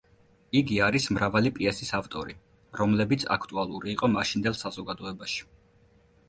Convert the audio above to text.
იგი არის მრავალი პიესის ავტორი, რომლებიც აქტუალური იყო მაშინდელ საზოგადოებაში.